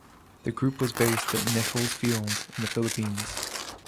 The group was based at Nichols Field, in the Philippines.